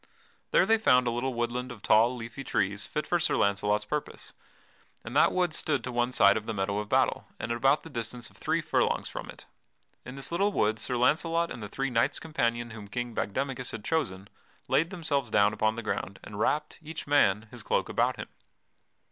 There they found a little woodland of tall, leafy trees fit for Sir Launcelot's purpose, and that wood stood to one side of the meadow of battle and at about the distance of three furlongs from it. In this little wood Sir Launcelot and the three knights companion whom King Bagdemagus had chosen laid themselves down upon the ground and wrapped, each man, his cloak about him.